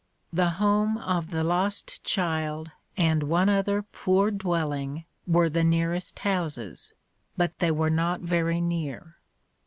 The home of the lost child and one other poor dwelling were the nearest houses, but they were not very near.